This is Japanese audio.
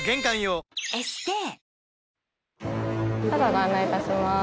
ご案内いたします。